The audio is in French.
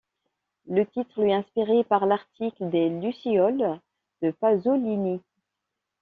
Le titre lui est inspiré par L'Article des lucioles de Pasolini.